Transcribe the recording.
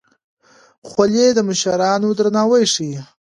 خولۍ د مشرانو درناوی ښيي.